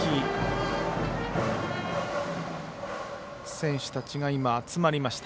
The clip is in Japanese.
選手たちが集まりました。